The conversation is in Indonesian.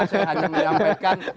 saya hanya menyampaikan